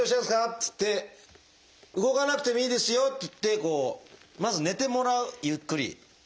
っつって「動かなくてもいいですよ」って言ってまず寝てもらうゆっくり。